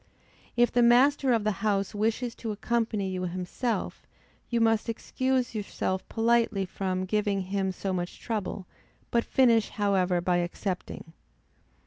If the master of the house wishes to accompany you himself, you must excuse yourself politely from giving him so much trouble, but finish however by accepting.